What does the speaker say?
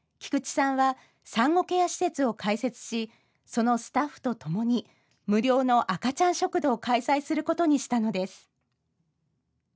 菊地さんは産後ケア施設を開設しそのスタッフとともに無料の赤ちゃん食堂を開催することにしたのです。